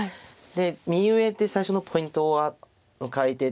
右上で最初のポイントは迎えて。